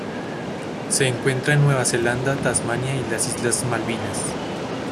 Se encuentran en Nueva Zelanda, Tasmania y las Islas Malvinas.